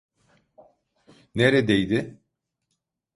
Neredeydi?